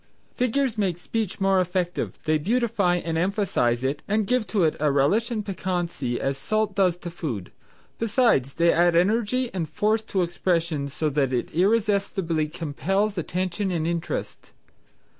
Figures make speech more effective, they beautify and emphasize it and give to it a relish and piquancy as salt does to food; besides they add energy and force to expression so that it irresistibly compels attention and interest.